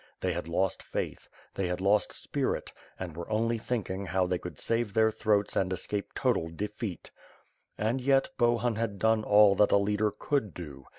They had lost faith; they had lost spirit; and were only think ing how thoy could save their throats and escape total de feat. And, yet Bohun had done all that a leader could do.